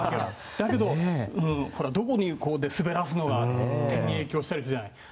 だけど、どこに滑らすのかがとか点に影響したりするじゃない。